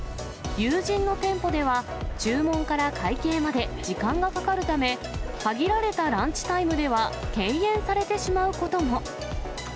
有人の店舗では、注文から会計まで時間がかかるため、限られたランチタイムでは敬遠されてしまうことも。